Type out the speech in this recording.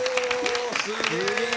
すげえ！